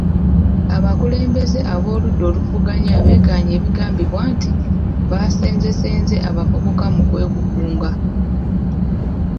Abakulembeze ab'oludda oluvuganya beegaanye ebigambikwa nti baasenzesenze abavubuka mu kwegugunga.